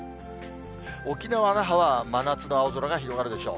沖縄・那覇は真夏の青空が広がるでしょう。